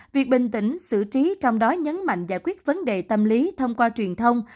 việc bình tĩnh xử trí trong đó nhấn mạnh giải quyết vấn đề tâm lý thông qua truyền thông